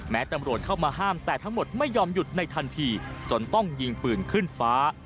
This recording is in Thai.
ตำรวจเข้ามาห้ามแต่ทั้งหมดไม่ยอมหยุดในทันทีจนต้องยิงปืนขึ้นฟ้า